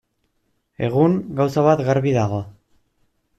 Egun, gauza bat garbi dago.